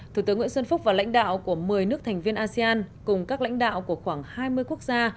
thủ tướng nguyễn xuân phúc và lãnh đạo của một mươi nước thành viên asean cùng các lãnh đạo của khoảng hai mươi quốc gia